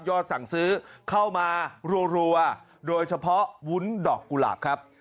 สั่งซื้อเข้ามารัวโดยเฉพาะวุ้นดอกกุหลาบครับ